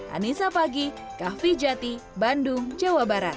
anissa pagi kah vijati bandung jawa barat